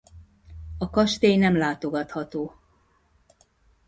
A kastély nem látogatható.